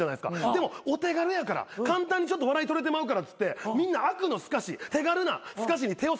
でもお手軽やから簡単にちょっと笑い取れてまうからっつってみんな悪のすかし手軽なすかしに手を染めてしまう。